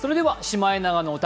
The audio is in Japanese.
「シマエナガの歌」